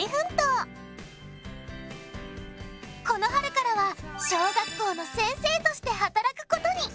この春からは小学校の先生として働くことに！